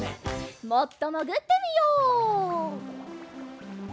もっともぐってみよう。